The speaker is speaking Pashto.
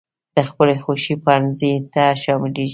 د خپلې خوښي پونځي ته شاملېږي.